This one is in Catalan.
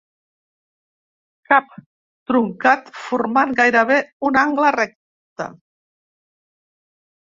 Cap truncat formant gairebé un angle recte.